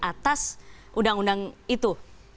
atas undang undang itu